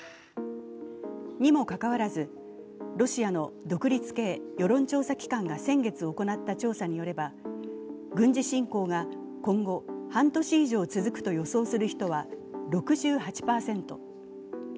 にもかかわらずロシアの独立系世論調査機関が先月行った調査によれば軍事侵攻が今後、半年以上続くと予想する人は６８％。